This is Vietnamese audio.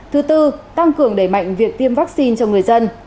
thứ tư tăng cường đẩy mạnh việc tiêm vaccine cho người dân